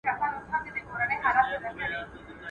مېړه يا نېکنام، يا بد نام، ورک دي سي دا نام نهام.